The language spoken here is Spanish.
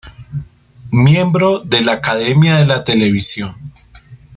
Miembro de la Academia de la Televisión.